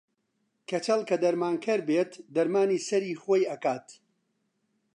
کەچەڵ کە دەرمانکەر بێت دەرمانی سەری خۆی ئەکات